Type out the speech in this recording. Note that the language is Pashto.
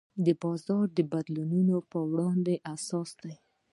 بازار د بدلونونو په وړاندې حساس دی.